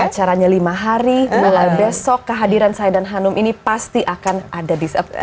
acaranya lima hari mulai besok kehadiran saya dan hanum ini pasti akan ada di